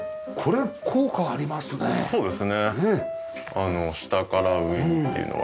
はいそうですね。